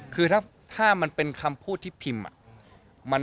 คือถ้ามันเป็นคำพูดที่พิมพ์